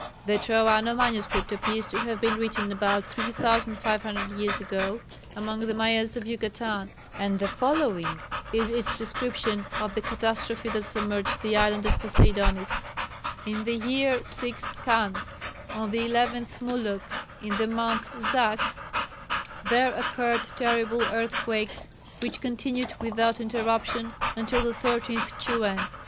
The Troano MS. appears to have been written about 3,500 years ago, among the Mayas of Yucatan, and the following is its description of the catastrophe that submerged the island of Poseidonis: "In the year 6 Kan, on the 11th Muluc in the month Zac, there occurred terrible earthquakes, which continued without interruption until the 13th Chuen.